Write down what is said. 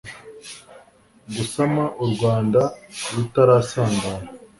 gusama u rwanda rutarasandara